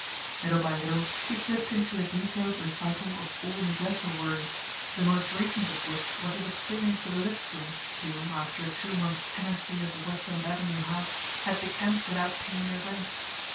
Little by little he slipped into a detailed recital of all his lesser worries, the most recent of which was his experience with the Lipscombs, who, after a two months' tenancy of the West End Avenue house, had decamped without paying their rent.